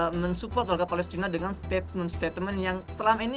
saya juga ingin mendukung warga palestina dengan statement statement yang selama ini